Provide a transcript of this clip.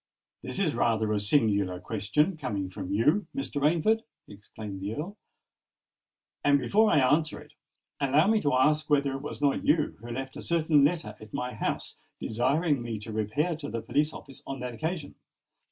"This is rather a singular question—coming from you, Mr. Rainford!" exclaimed the Earl; "and before I answer it, allow me to ask whether it was not you who left a certain letter at my house, desiring me to repair to the police office on that occasion?"